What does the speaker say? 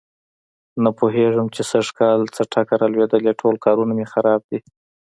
نه پوهېږم چې سږ کل څه ټکه را لوېدلې ټول کارونه مې خراب دي.